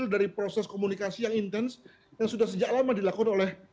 dari proses komunikasi yang intens yang sudah sejak lama dilakukan oleh